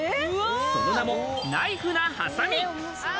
その名も、ナイフなハサミ。